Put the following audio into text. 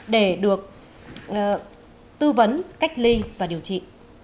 để được tư vấn cách ly và điều trị